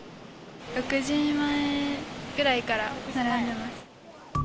６時前ぐらいから並んでます。